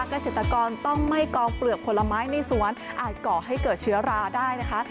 เกษตรกรต้องไม่กองเปลือกผลไม้ในสวนอาจก่อให้เกิดเชื้อราได้นะคะ